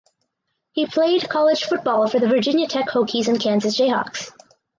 He played college football for the Virginia Tech Hokies and Kansas Jayhawks.